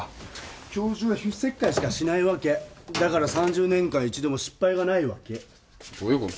教授は皮膚切開しかしないわけだから３０年間一度も失敗がないのどういうこと？